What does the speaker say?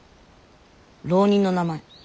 浪人の名前。